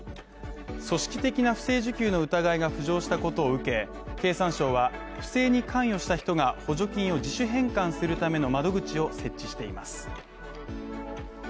組織的な不正受給の疑いが浮上したことを受け、経産省は不正に関与した人が補助金を自主返還するための窓口を設置しています。